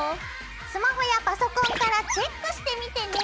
スマホやパソコンからチェックしてみてね。